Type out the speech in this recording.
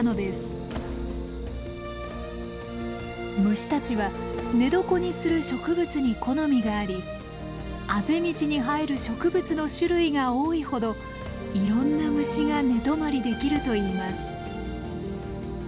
虫たちは寝床にする植物に好みがありあぜ道に生える植物の種類が多いほどいろんな虫が寝泊まりできるといいます。